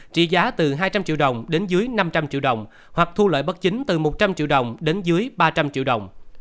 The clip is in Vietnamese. trị giá từ hai trăm linh triệu đồng đến dưới năm trăm linh triệu đồng hoặc thu lợi bất chính từ một trăm linh triệu đồng đến dưới ba trăm linh triệu đồng